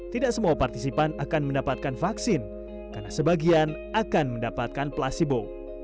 tidak semua partisipan akan mendapatkan vaksin karena sebagian akan mendapatkan placebo